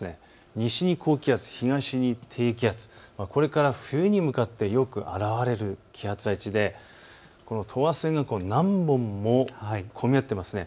西に高気圧、東に低気圧、これから冬に向かってよく現れる気圧配置で等圧線が何本も混み合っていますね。